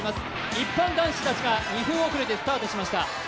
一般男子たちが２分遅れでスタートしました。